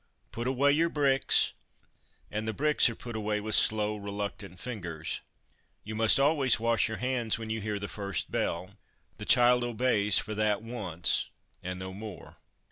' Put away your bricks '; and the bricks are put away with slow, reluctant fingers. ' You must always wash your hands when you hear the first bell.' The child obeys for that once, and no more.